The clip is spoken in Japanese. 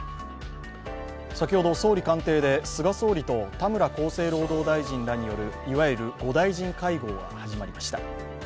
先ほど総理官邸で菅総理と田村厚生労働大臣らによる、いわゆる５大臣会合が始まりました。